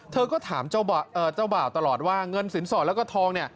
เธอก็ถามเจ้าบ่าวตลอดว่าเงินสินสอดแล้วก็ทองเนี่ย